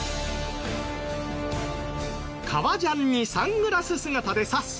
革ジャンにサングラス姿でさっそうと登場。